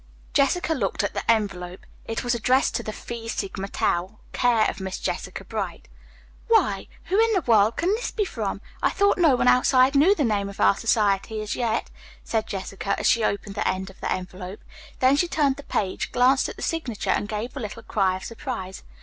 Jessica looked at the envelope. It was addressed to the "Phi Sigma Tau, care of Miss Jessica Bright." "Why, who in the world can this be from? I thought no one outside knew the name of our society as yet," said Jessica as she opened the end of the envelope. Then she turned the page, glanced at the signature, and gave a little cry of surprise.